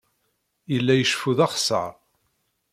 Yella iceffu d axeṣṣar.